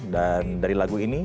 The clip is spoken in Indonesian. dan dari lagu ini